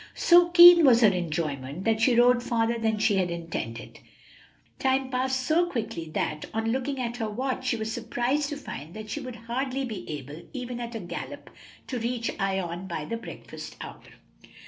So keen was her enjoyment that she rode farther than she had intended. Time passed so quickly that, on looking at her watch, she was surprised to find that she would hardly be able, even at a gallop, to reach Ion by the breakfast hour.